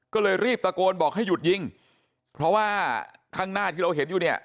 ก็เลยรีบตะโกนบอกให้หยุดยิงเพราะว่าข้างหน้าที่เราเห็นอยู่เนี่ย